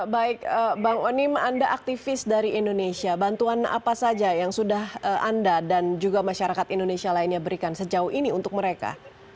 baik bang onim anda aktivis dari indonesia bantuan apa saja yang sudah anda dan juga masyarakat indonesia lainnya berikan sejauh ini untuk mereka